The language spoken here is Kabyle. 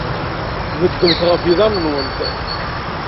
Beddemt ɣef yiḍarren-nwent.